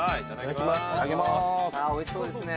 おいしそうですね。